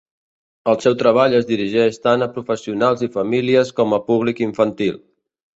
El seu treball es dirigeix tant a professionals i famílies com a públic infantil.